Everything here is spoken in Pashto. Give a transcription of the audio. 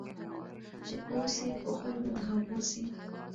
چي اوسې په خوی به د هغو سې